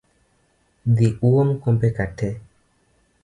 Dhii uom kombe ka tee